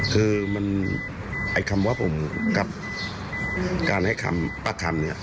คือมันไอ้คำว่าผมกับการให้คำป้าคำเนี่ย